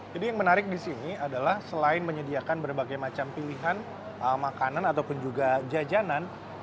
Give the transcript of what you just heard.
jadi yang menarik di sini adalah selain menyediakan berbagai macam pilihan makanan ataupun juga jajanan